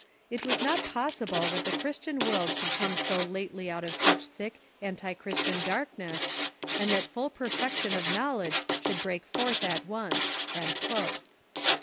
"It was not possible that the Christian world should come so lately out of such thick anti Christian dark ness, and that full perfection of knowledge should break forth at once."